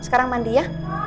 sekarang mandi ya